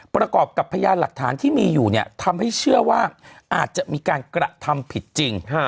ประกอบกับพยานหลักฐานที่มีอยู่เนี่ยทำให้เชื่อว่าอาจจะมีการกระทำผิดจริง